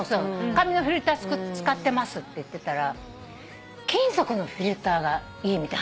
紙のフィルター使ってますって言ってたら金属のフィルターがいいみたいな話になってきて。